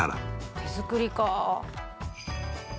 手作りか。